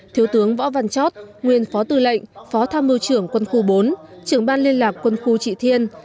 thiếu tướng võ văn chót nguyên phó tư lệnh phó tham mưu trưởng quân khu bốn trưởng ban liên lạc quân khu trị thiên